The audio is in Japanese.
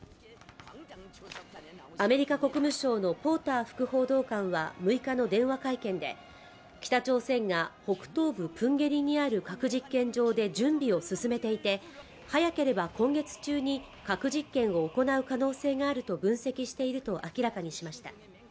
アメリカ国務省のポーター副報道官は６日の電話会見で北朝鮮が北東部プンゲリにある核実験場で準備を進めていて早ければ今月中に核実験を行う可能性があると分析していると明らかにしました